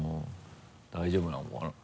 大丈夫なのかな？